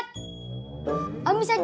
aduh kalau nyeletert to